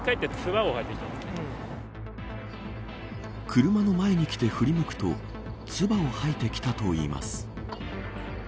車の前に来て振り向くとつばを吐いてきたといいます。